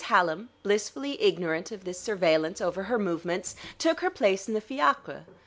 Hallam, blissfully ignorant of this surveillance over her movements, took her place in the fiacre.